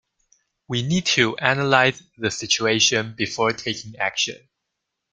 We need to analyse the situation before taking action.